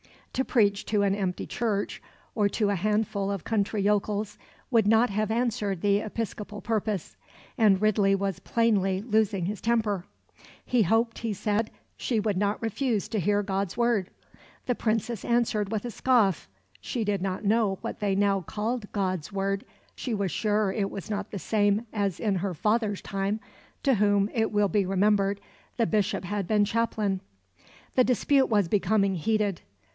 To preach to an empty church, or to a handful of country yokels, would not have answered the episcopal purpose; and Ridley was plainly losing his temper. He hoped, he said, she would not refuse to hear God's word. The Princess answered with a scoff. She did not know what they now called God's word; she was sure it was not the same as in her father's time to whom, it will be remembered, the Bishop had been chaplain. The dispute was becoming heated.